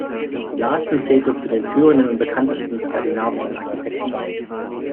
Larsen zählte zu den führenden und bekanntesten skandinavischen Architekten.